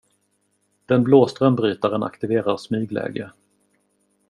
Den blå strömbrytaren aktiverar smygläge.